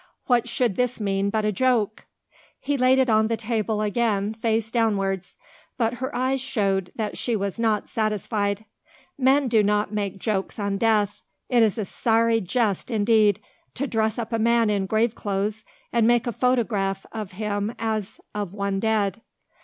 What should this mean but a joke?" He laid it on the table again, face downwards. But her eyes showed that she was not satisfied. Men do not make jokes on death; it is a sorry jest indeed to dress up a man in grave clothes, and make a photograph of him as of one dead.